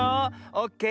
オッケー。